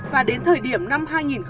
và đến thời điểm năm hai nghìn năm